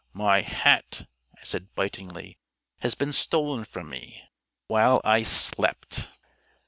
"My hat," I said bitingly, "has been stolen from me while I slept."